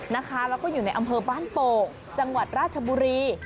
แล้วก็อยู่ในอำเภอบ้านโป่งจังหวัดราชบุรี